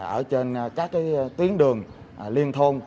ở trên các tuyến đường liên thông